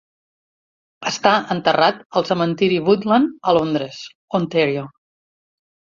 Està enterrat al cementiri Woodland a Londres, Ontario.